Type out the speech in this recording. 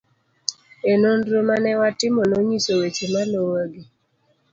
e Nonro ma ne watimo nonyiso weche maluwegi